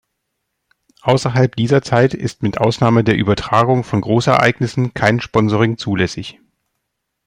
Außerhalb dieser Zeit ist mit Ausnahme der Übertragung von Großereignissen kein Sponsoring zulässig.